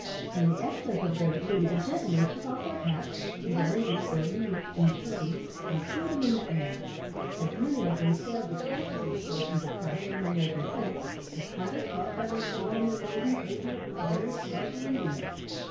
In the excess of their glee the gentlemen took off their hats, and the ladies their wreaths and turbans, and threw them in the air. As many of them failed to catch these portions of costume in their descent, the clatter caused by their fall on the golden pavement was very striking indeed.